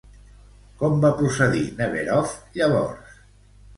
Com va procedir Neverov llavors?